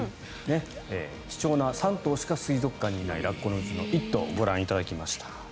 貴重な３頭しか水族館にいないラッコのうちの１頭をご覧いただきました。